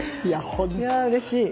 いやうれしい。